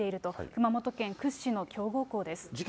熊本県屈指の強豪校です。